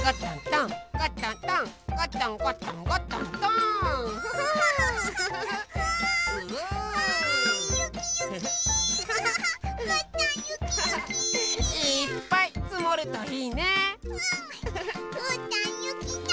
うーたんゆきだいすき！